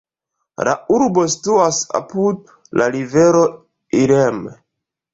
La urbo situas apud la rivero Ilm.